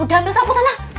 udah ambil sampul sana